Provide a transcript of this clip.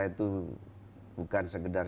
itu bukan sekedar